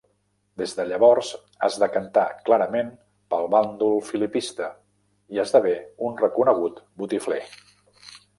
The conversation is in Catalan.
Des de llavors es decantà clarament pel bàndol filipista, i esdevé un reconegut botifler.